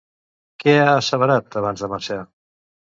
Què ha asseverat, abans de marxar?